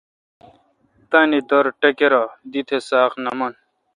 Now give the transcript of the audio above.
تانی در ٹکرہ ۔دی تہ ساق نہ من